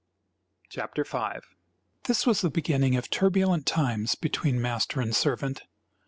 CHAPTER V. This was the beginning of turbulent times between master and servant.